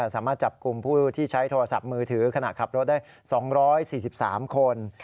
สามารถจับกลุ่มผู้ที่ใช้โทรศัพท์มือถือขณะขับรถได้๒๔๓คน